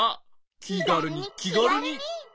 きがるにきがるに。